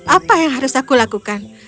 apa yang harus aku lakukan